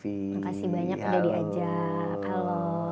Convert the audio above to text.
makasih banyak udah diajak halo